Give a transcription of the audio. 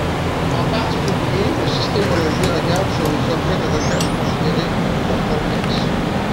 En particulier la systémologie, regard sur les objets de recherche considérés comme complexes.